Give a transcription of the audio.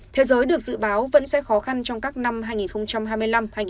thế giới được dự báo vẫn sẽ khó khăn trong các năm hai nghìn hai mươi năm hai nghìn hai mươi